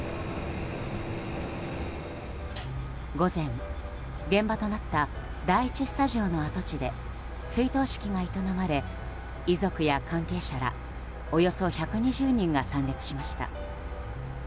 午前、現場となった第１スタジオの跡地で追悼式が営まれ遺族や関係者らおよそ１２０人が参列しました。